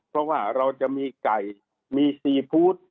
เพราะว่าเราจะมีไก่มีซีฟู้ด